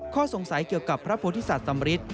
ข้อสงสัยเกี่ยวกับพระพโพธิศัตริย์สัมฤทธิ์